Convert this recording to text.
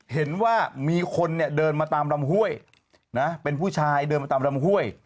เห็นว่ามีคนเนี่ยเดินมาตามลำห้วยนะเป็นผู้ชายเดินมาตามลำห้วย